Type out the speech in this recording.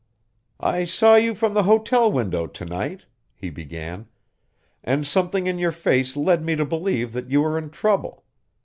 "I saw you from the hotel window to night," he began, "and something in your face led me to believe that you were in trouble.